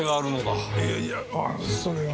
いやいやああそれは。